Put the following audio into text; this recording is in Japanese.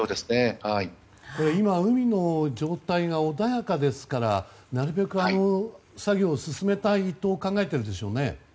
今、海の状態が穏やかですからなるべく、作業を進めたいと考えているでしょうね。